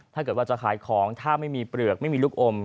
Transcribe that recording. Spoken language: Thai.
ถ้าเกิดว่าจะขายของถ้าไม่มีเปลือกไม่มีลูกอม